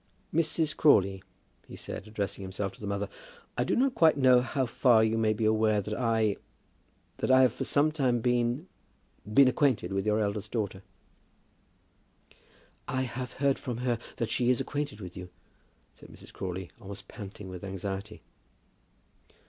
"Mrs. Crawley," he said, addressing himself to the mother, "I do not quite know how far you may be aware that I, that I have for some time been, been acquainted with your eldest daughter." "I have heard from her that she is acquainted with you," said Mrs. Crawley, almost panting with anxiety.